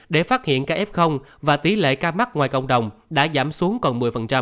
để phát hiện ca f và tỷ lệ ca mắc ngoài cộng đồng đã giảm xuống còn một mươi